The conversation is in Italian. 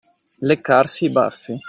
Leccarsi i baffi.